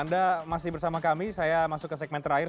anda masih bersama kami saya masuk ke segmen terakhir